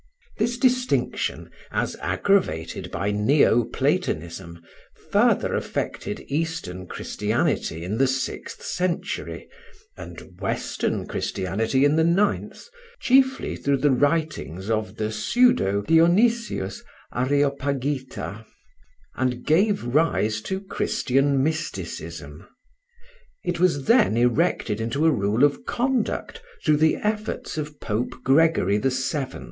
This distinction, as aggravated by Neo Platonism, further affected Eastern Christianity in the sixth century, and Western Christianity in the ninth, chiefly through the writings of (the pseudo ) Dionysius Areopagita, and gave rise to Christian mysticism. It was then erected into a rule of conduct through the efforts of Pope Gregory VII.